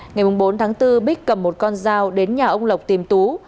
ngày bốn tháng bốn bích cầm một con dao đến nhà ông lộc tìm tú